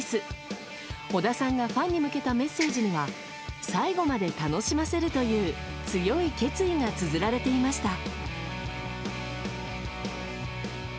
尾田さんがファンに向けたメッセージには最後まで楽しませるという強い決意がつづられていました。